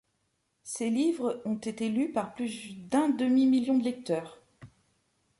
Ces livres ont été lus par plus d’un demi-million de lecteurs.